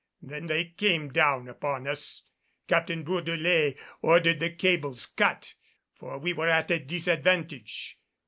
"Then they came down upon us. Captain Bourdelais ordered the cables cut, for we were at a disadvantage.